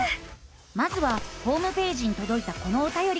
まずはホームページにとどいたこのおたよりから。